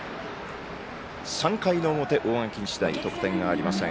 ３回表、大垣日大得点がありません。